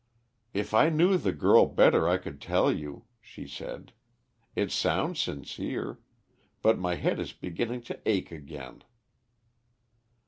"If I knew the girl better I could tell you," she said. "It sounds sincere. But my head is beginning to ache again."